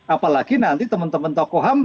apalagi nanti teman teman tokoham